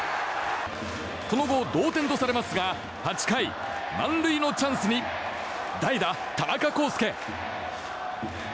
その後、同点とされますが８回満塁のチャンスに代打、田中広輔。